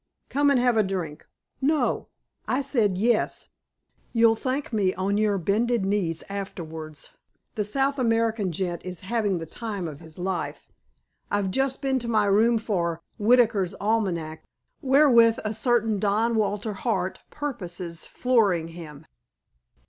"Come and have a drink." "No." "I say 'yes.' You'll thank me on your bended knees afterwards. The South American gent is having the time of his life. I've just been to my room for Whitaker's Almanack, wherewith a certain Don Walter Hart purposes flooring him."